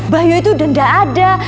bayu itu udah gak ada